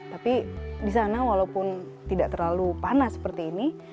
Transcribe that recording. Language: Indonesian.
tapi di sana walaupun tidak terlalu panas seperti ini